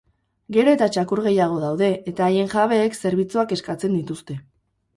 Gero eta txakur gehiago daude eta haien jabeek zerbitzuak eskatzen dituzte.